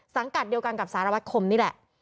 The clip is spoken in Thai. กัดเดียวกันกับสารวัตรคมนี่แหละ